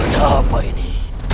ada apa ini